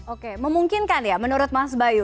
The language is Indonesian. oke memungkinkan ya menurut mas bayu